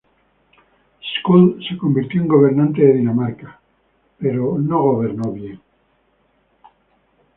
Skuld se convirtió en gobernante de Dinamarca, pero no gobernó bien.